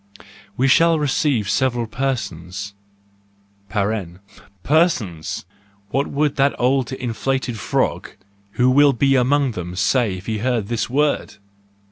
We shall receive several persons (persons !— what would that old inflated frog, who will be among them, say, if he heard this word!